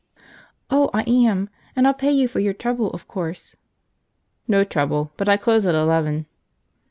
"Oh, I am! And I'll pay you for your trouble, of course." "No trouble. But I close at eleven."